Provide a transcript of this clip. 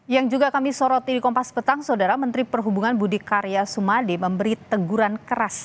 yang juga kami soroti di kompas petang saudara menteri perhubungan budi karya sumadi memberi teguran keras